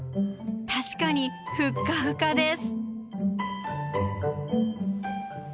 確かにふっかふかです。